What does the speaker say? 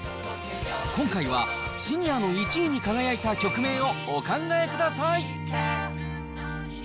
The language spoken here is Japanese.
今回はシニアの１位に輝いた曲名をお考えください。